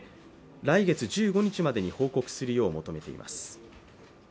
来月１５日までに報告するよう求めています。